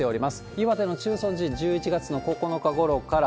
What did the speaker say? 岩手の中尊寺、１１月の９日ごろから。